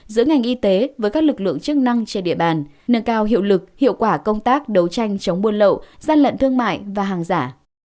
giữa ngành y tế với các lực lượng chức năng trên địa bàn nâng cao hiệu lực hiệu quả công tác đấu tranh chống buôn lậu gian lận thương mại và hàng giả